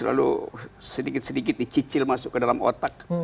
lalu sedikit sedikit dicicil masuk ke dalam otak